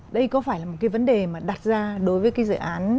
đây có phải là một cái vấn đề mà đặt ra đối với cái dự án